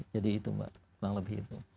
jadi itu mbak